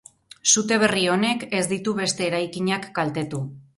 Sute berri honek ez ditu beste eraikinak kaltetu.